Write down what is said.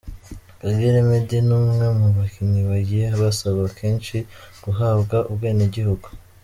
Kagere Meddie ni umwe mu bakinnyi bagiye basaba kenshi guhabwa ubwenegihugu.